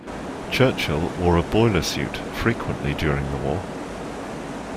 Churchill wore a boiler suit frequently during the war